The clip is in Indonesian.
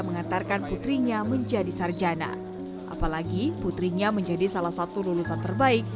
mengantarkan putrinya menjadi sarjana apalagi putrinya menjadi salah satu lulusan terbaik